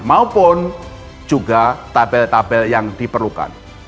maupun juga tabel tabel yang diperlukan